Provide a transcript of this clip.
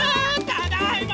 ただいま！